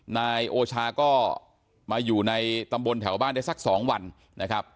นายโอชาก็มาอยู่ในตำบลแถวบ้านได้สัก๒วันนะครับ